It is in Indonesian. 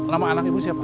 nama anak ibu siapa